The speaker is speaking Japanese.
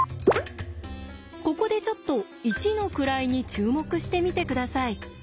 ここでちょっと１の位に注目してみて下さい。